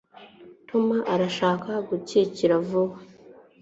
tom arashaka gukira vuba